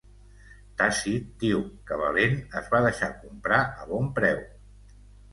Tàcit diu que Valent es va deixar comprar a bon preu.